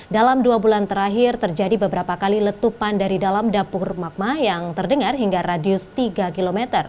dalam dua bulan terakhir terjadi beberapa kali letupan dari dalam dapur magma yang terdengar hingga radius tiga km